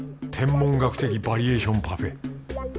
天文学的バリエーションパフェ！